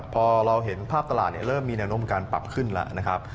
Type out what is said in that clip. พอเราเห็นภาพตลาดเริ่มมีแนวโน้มการปรับขึ้นแล้วนะครับ